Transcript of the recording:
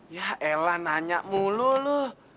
ya elah nanya mulu lo